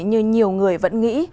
như nhiều người vẫn nghĩ